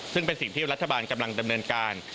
ซึ่งเป็นสิ่งที่รัฐบาลกำลังดำเนินการ